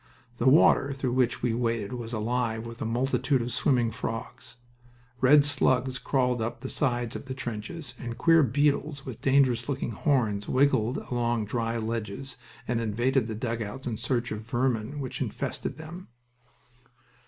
The water through which we waded was alive with a multitude of swimming frogs. Red slugs crawled up the sides of the trenches, and queer beetles with dangerous looking horns wriggled along dry ledges and invaded the dugouts in search of the vermin which infested them.